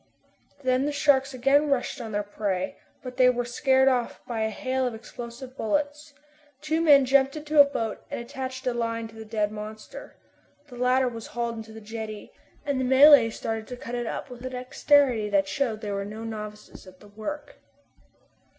Then the sharks again rushed on their prey, but were scared off by a hail of the explosive bullets. Two men then jumped into a boat and attached a line to the dead monster. The latter was hauled into the jetty, and the Malays started to cut it up with a dexterity that showed they were no novices at the work.